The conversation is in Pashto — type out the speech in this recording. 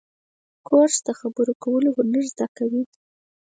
کورس د خبرو کولو هنر زده کوي.